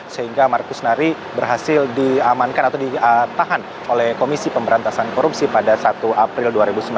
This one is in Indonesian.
sehingga markus nari berhasil diamankan atau ditahan oleh komisi pemberantasan korupsi pada satu april dua ribu sembilan belas